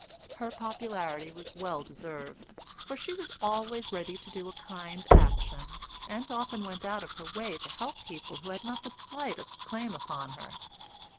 Her popularity was well deserved, for she was always ready to do a kind action, and often went out of her way to help people who had not the slightest claim upon her.